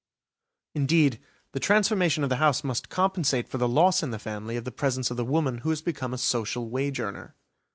Indeed, the transformation of the house must compensate for the loss in the family of the presence of the woman who has become a social wage earner.